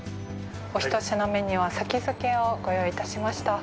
お一品目には先付けをご用意いたしました。